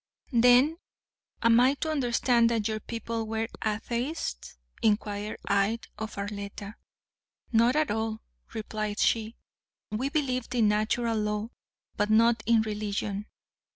"Then am I to understand that your people were Atheists?" inquired I of Arletta. "Not at all," replied she. "We believed in Natural Law but not in religion.